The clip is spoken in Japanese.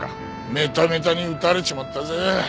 メタメタに撃たれちまったぜ。